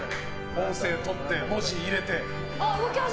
音声とって文字入れて。